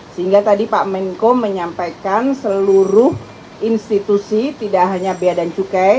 sehingga tadi pak menko menyampaikan seluruh institusi tidak hanya bea dan cukai